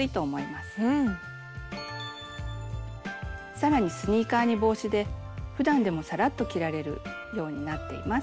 さらにスニーカーに帽子でふだんでもさらっと着られるようになっています。